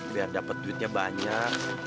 biar dapet duitnya banyak